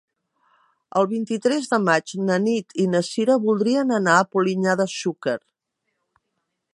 El vint-i-tres de maig na Nit i na Cira voldrien anar a Polinyà de Xúquer.